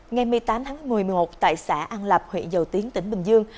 ngày một mươi tám tháng một mươi một tại xã an lập huyện dầu tiến tỉnh bình dương